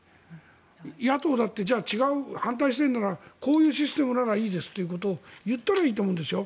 野党だってじゃあ、反対してるならこういうシステムならいいですということを言ったらいいと思うんですよ。